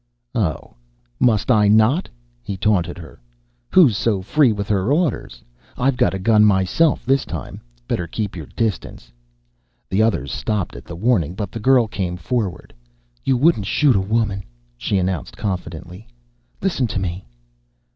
"Oh, must I not?" he taunted her. "Who's so free with her orders? I've got a gun myself this time. Better keep your distance." The others stopped at the warning, but the girl came forward. "You wouldn't shoot a woman," she announced confidently. "Listen to me."